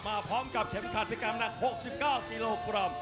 มาพร้อมกับเข็มขัดพิการหนัก๖๙กิโลกรัม